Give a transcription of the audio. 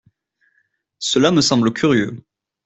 Cela me semble curieux.